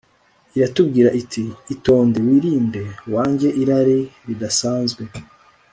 iratubwira iti, itonde, wirinde, wange irari ridasanzwe